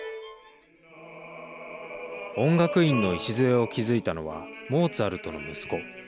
音楽院の礎を築いたのはモーツァルトの息子。